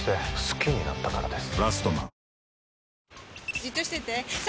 じっとしてて３！